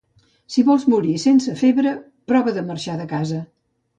Si vols morir sense febre, prova de marxar de casa.